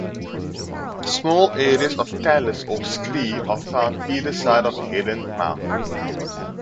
Small areas of talus (or scree) are found either side of Heddon Mouth.